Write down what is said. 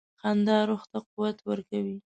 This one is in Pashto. • خندا روح ته قوت ورکوي.